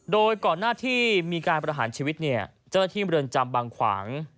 โดยก่อนหน้าที่มีการประหารชีวิตเนี่ยเจ้าหน้าที่เมืองจำบางขวาง